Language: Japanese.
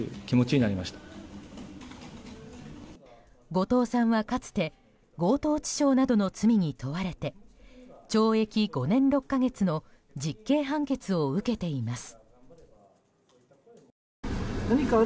後藤さんはかつて強盗致傷などの罪に問われて懲役５年６か月の実刑判決を受けています。